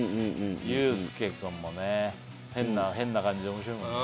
ユースケ君もね変な感じで面白いもんね。